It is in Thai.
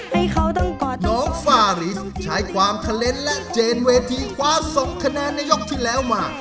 น้องฟาริสใช้ความเขล็ดและเจนเวทีคว้า๒คะแนนในยกที่แล้วมา